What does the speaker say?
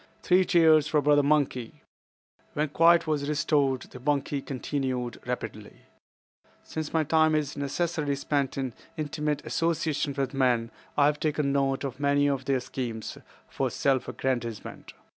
"Three cheers for Brother Monkey." When quiet was restored, the monkey continued rapidly: "Since my time is necessarily spent in intimate association with men, I have taken note of many of their schemes for self aggrandizement.